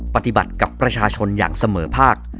ปฏิบัติกับประชาชนอย่างเสมอภาค